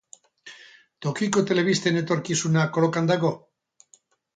Tokiko telebisten etorkizuna kolokan dago?